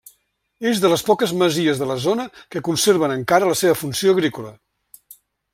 És de les poques masies de la zona que conserven encara la seva funció agrícola.